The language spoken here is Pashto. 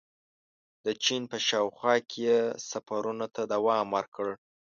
• د چین په شاوخوا کې یې سفرونو ته دوام ورکړ.